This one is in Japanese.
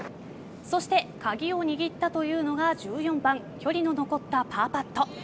そして鍵を握ったというのが１４番、距離の残ったパーパット。